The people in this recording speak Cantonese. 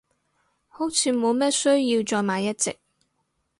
好似冇咩需要再買一隻，